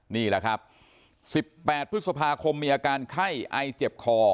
นี่แหละครับ๑๘พฤษภาคมมีอาการไข้ไอเจ็บคอ